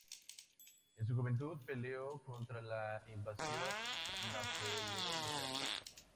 En su juventud peleó contra la invasión napoleónica.